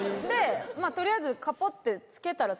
取りあえずカポって。